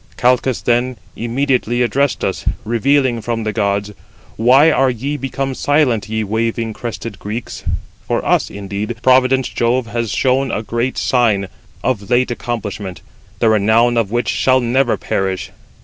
Calchas, then, immediately addressed us, revealing from the gods: 'Why are ye become silent, ye waving crested Greeks? For us, indeed, provident Jove has shown a great sign, late, of late accomplishment, the renown of which shall never perish.